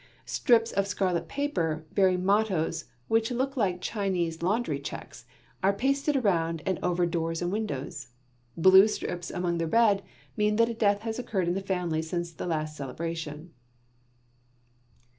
Strips of scarlet paper, bearing mottoes, which look like Chinese laundry checks, are pasted around and over doors and windows. Blue strips among the red, mean that a death has occurred in the family since the last celebration.